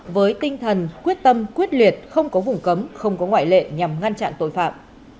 với tinh thần quyết tâm quyết liệt không có vùng cấm không có ngoại lệ nhằm ngăn chặn tội phạm